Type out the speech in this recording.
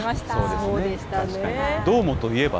そうですね。